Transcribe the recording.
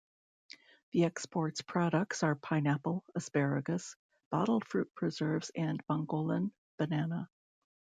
The exports products are pineapple, asparagus, bottled fruit preserves, and Bongolan Banana.